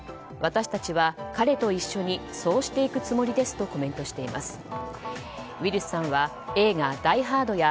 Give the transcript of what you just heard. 私たちは彼と一緒にそうしていくつもりですとコメントしています。